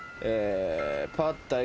パッタイ。